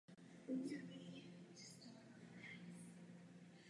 Teplota.